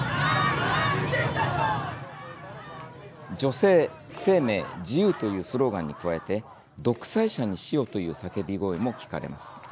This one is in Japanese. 女性、生命、自由というスローガンに加えて独裁者に死をという叫び声も聞かれます。